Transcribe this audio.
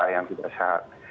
yang tidak sehat